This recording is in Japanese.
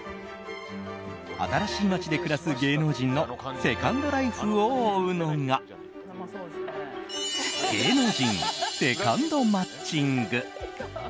新しい街で暮らす芸能人のセカンドライフを追うのが芸能人セカンド街ング。